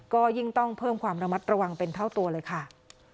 ก็ยิ่งต้องเพิ่มความระมัดระวังเป็นเท่าตัวเลยค่ะ